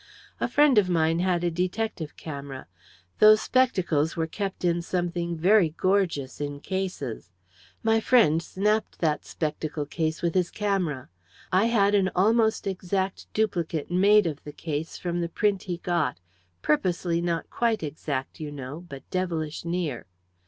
A friend of mine had a detective camera. Those spectacles were kept in something very gorgeous in cases. My friend snapped that spectacle case with his camera. I had an almost exact duplicate made of the case from the print he got purposely not quite exact, you know, but devilish near.